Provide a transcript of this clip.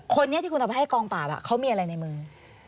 คนนี้ที่คุณเอาไปให้กองปราบเขามีอะไรในมือ